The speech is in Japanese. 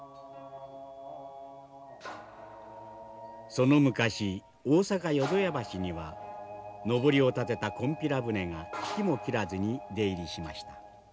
その昔大阪・淀屋橋にはのぼりを立てたこんぴら船が引きも切らずに出入りしました。